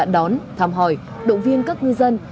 đón thăm hỏi động viên các ngư dân